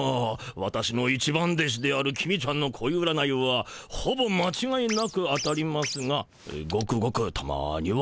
私の一番弟子である公ちゃんの恋占いはほぼまちがいなく当たりますがごくごくたまには。